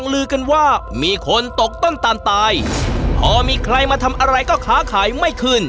เดือนแรกก็พอใครได้โปรวิดมา